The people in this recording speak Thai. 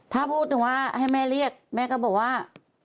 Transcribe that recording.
ถ้าพูดถึงว่าให้แม่เรียกแม่ก็บอกว่า